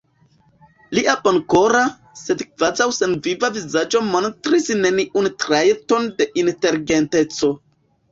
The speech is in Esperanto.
Lia bonkora, sed kvazaŭ senviva vizaĝo montris neniun trajton de inteligenteco.